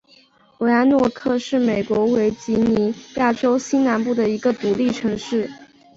罗阿诺克是美国维吉尼亚州西南部的一个独立城市。